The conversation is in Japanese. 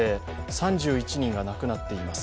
３１人が亡くなっています。